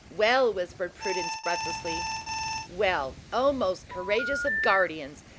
"Well," whispered Prudence, breathlessly. "Well, O most courageous of guardians!